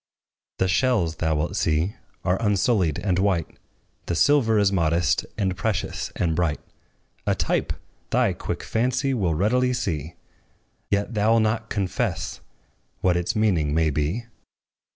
The shells, thou wilt see, are unsullied and white; The silver is modest, and precious, and bright, A type! thy quick fancy will readily see, Yet thou 'lt not confess what its meaning may be.